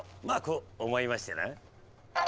まあこう思いましてな。